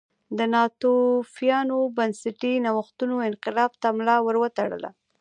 د ناتوفیانو بنسټي نوښتونو انقلاب ته ملا ور وتړله